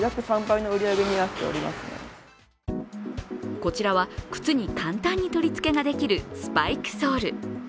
こちらは靴に簡単に取り付けができるスパイクソール。